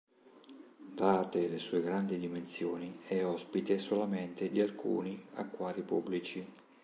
Date le sue grandi dimensioni, è ospite solamente di alcuni acquari pubblici.